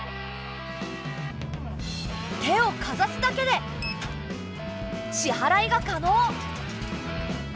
手をかざすだけで支払いが可能。